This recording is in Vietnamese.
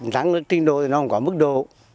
đáng được trình đội thì nó không có mức độ